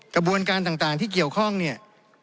กระบวนการต่างที่เกี่ยวข้องเนี่ย